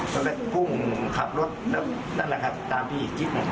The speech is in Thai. ก็เลยพุ่งขับรถแล้วนั่นแหละครับตามที่คิด